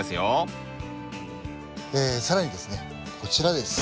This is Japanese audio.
更にですねこちらです。